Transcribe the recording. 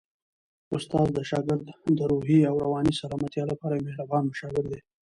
استاد د شاګرد د روحي او رواني سلامتیا لپاره یو مهربان مشاور دی.